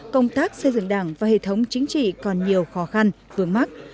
công tác xây dựng đảng và hệ thống chính trị còn nhiều khó khăn vướng mắt